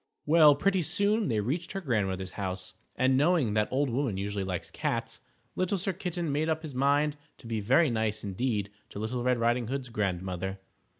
Well, pretty soon they reached her Grandmother's house, and, knowing that old women usually like cats, Little Sir Kitten made up his mind to be very nice indeed to Little Red Riding Hood's Grandmother.